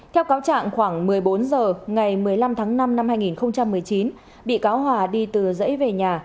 theo cáo trạng khoảng một mươi bốn h ngày một mươi năm tháng năm năm hai nghìn một mươi chín bị cáo hòa đi từ dãy về nhà